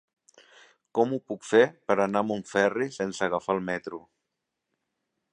Com ho puc fer per anar a Montferri sense agafar el metro?